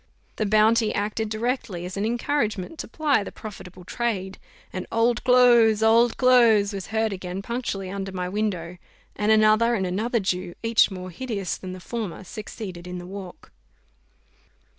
The bounty acted directly as an encouragement to ply the profitable trade, and "Old clothes! Old clothes!" was heard again punctually under my window; and another and another Jew, each more hideous than the former, succeeded in the walk.